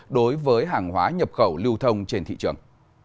đối với hàng hóa nhập khẩu lưu thông trên thị trường